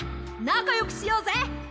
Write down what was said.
なかよくしようぜ！